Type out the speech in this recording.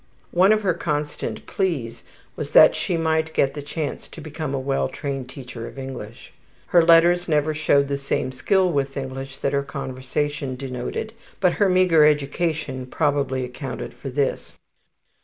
One of her constant pleas was that she might get the chance to become a well trained teacher of English. Her letters never showed the same skill with English that her conversation denoted, but her meagre education probably accounted for this.